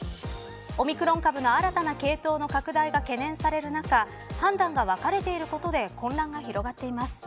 オミクロン株の新たな系統の拡大が懸念される中判断が分かれていることで混乱が広がっています。